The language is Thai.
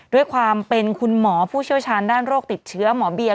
ด้วยความเป็นคุณหมอผู้เชี่ยวชาญด้านโรคติดเชื้อหมอเบียร์